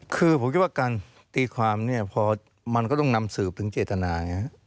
คือผมคิดว่าการตีความเนี่ยพอมันก็ต้องนำสืบถึงเจตนาไงฮะ